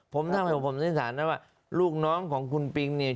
ผมทำให้ผมสันนิษฐานได้ว่าลูกน้องของคุณปิงเนี่ย